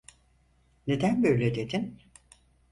Neden böyle dedin?